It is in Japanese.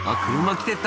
来てた」